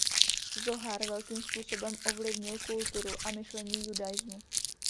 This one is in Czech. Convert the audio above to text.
Zohar velkým způsobem ovlivnil kulturu a myšlení judaismu.